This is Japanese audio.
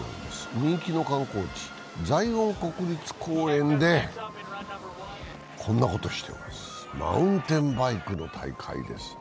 人気の観光地、ザイオン国立公園でこんなことしているんです、マウンテンバイクの大会です。